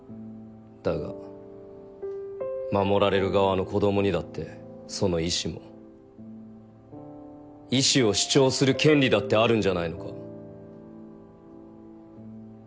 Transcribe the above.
だが守られる側の子どもにだってその意志も意志を主張する権利だってあるんじゃないのか？